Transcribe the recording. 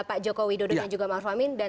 pak joko widodo yang juga maaf amin